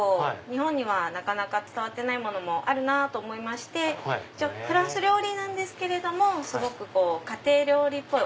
日本には伝わってないものもあるなぁと思いましてフランス料理なんですけれどもすごく家庭料理っぽい。